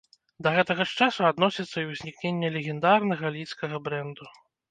Да гэтага ж часу адносіцца і ўзнікненне легендарнага лідскага брэнду.